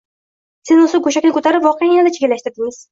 Siz esa go`shakni ko`tarib, voqeani yanada chigallashtirdingiz